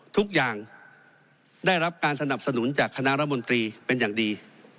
ทุกอย่างได้รับการสนับสนุนจากคณะรัฐมนตรีเป็นอย่างดี